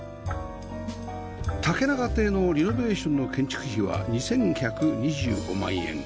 竹中邸のリノベーションの建築費は２１２５万円